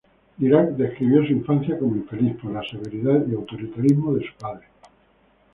Dirac describió su infancia como infeliz, por la severidad y autoritarismo de su padre.